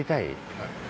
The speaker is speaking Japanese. はい。